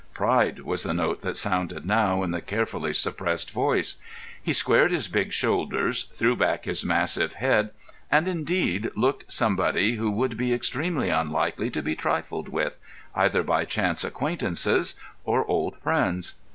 Pride was the note that sounded now in the carefully suppressed voice. He squared his big shoulders, threw back his massive head, and, indeed, looked somebody who would be extremely unlikely to be trifled with, either by chance acquaintances or old friends.